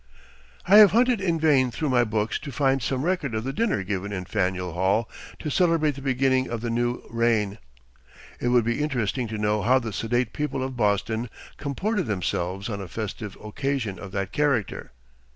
I have hunted in vain through my books to find some record of the dinner given in Faneuil Hall to celebrate the beginning of the new reign. It would be interesting to know how the sedate people of Boston comported themselves on a festive occasion of that character.